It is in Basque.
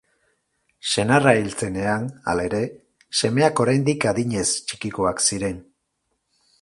Senarra hil zenean, hala ere, semeak oraindik adinez txikikoak ziren.